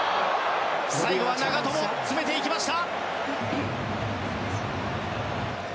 最後は長友が詰めていきました。